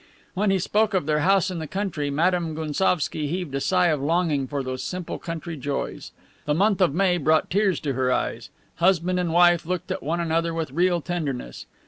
When he spoke of their house in the country Madame Gounsovski heaved a sigh of longing for those simple country joys. The month of May brought tears to her eyes. Husband and wife looked at one another with real tenderness.